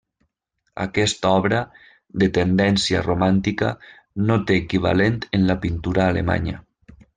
Aquesta obra, de tendència romàntica, no té equivalent en la pintura alemanya.